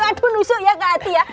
waduh nusuk ya ke hati ya